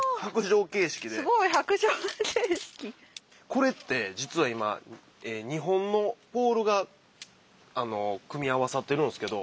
これって実は今２本のポールが組み合わさっているんですけど。